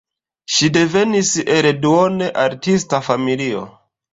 Ŝi devenas el duone artista familio.